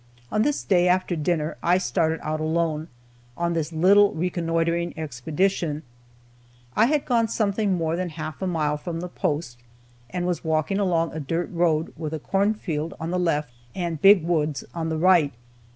On this day, after dinner, I started out alone, on this little reconnoitering expedition. I had gone something more than half a mile from the post, and was walking along a dirt road with a cornfield on the left, and big woods on the right.